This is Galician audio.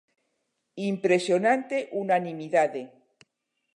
Impresionante unanimidade.